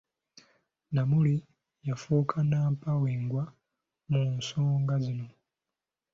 Namuli yafuuka nnampawengwa mu nsonga zino.